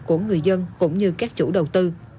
của người dân cũng như các chủ đầu tư